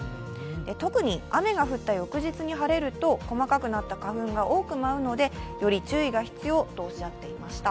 特に雨が降った翌日に晴れると細かくなった花粉が多く舞うのでより注意が必要とおっしゃっていました。